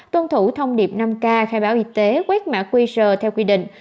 thông điệp năm k khai báo y tế quét mã quy rờ theo quy định